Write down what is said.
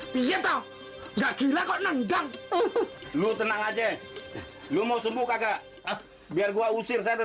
pijat tau gak gila kok nengdang lu tenang aja lu mau sembuh kagak biar gua usir saya dan